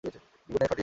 Good night, ফাটি।